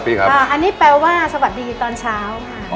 อันนี้แปลว่าสวัสดีตอนเช้า